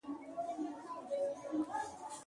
که پښتو ژبه وي، نو کلتوري روایتونه نه زوال مومي.